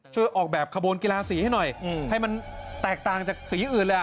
ช่วยออกแบบขบวนกีฬาสีให้หน่อยให้มันแตกต่างจากสีอื่นเลย